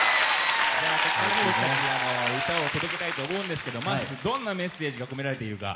歌を届けたいと思うんですがまず、どんなメッセージが込められているのか。